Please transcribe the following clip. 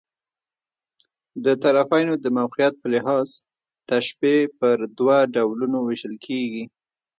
د طرفَینو د موقعیت په لحاظ، تشبیه پر دوه ډولونو وېشل کېږي.